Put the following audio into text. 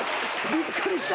びっくりした！